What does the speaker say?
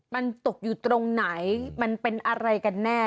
มันตกอยู่ตรงไหนมันเป็นอะไรกันแน่